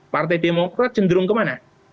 partai demokrat cenderung ke mana